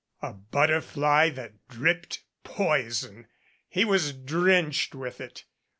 A butterfly that dripped poison! He was drenched with it.